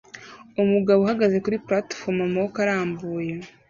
umugabo uhagaze kuri platifomu amaboko arambuye